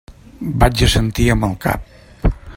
Vaig assentir amb el cap.